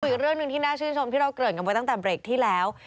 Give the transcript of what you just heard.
อีกเรื่องหนึ่งที่น่าชื่นชมที่เราเกริ่นกันไว้ตั้งแต่เบรกที่แล้ว